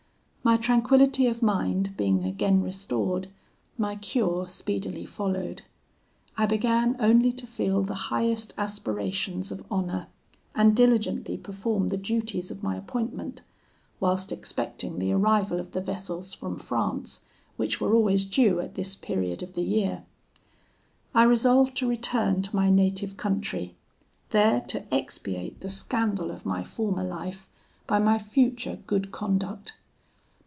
"My tranquillity of mind being again restored, my cure speedily followed. I began only to feel the highest aspirations of honour, and diligently performed the duties of my appointment, whilst expecting the arrival of the vessels from France, which were always due at this period of the year. I resolved to return to my native country, there to expiate the scandal of my former life by my future good conduct.